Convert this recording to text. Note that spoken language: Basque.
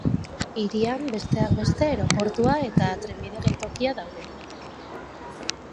Hirian, besteak beste, aireportua eta trenbide-geltokia daude.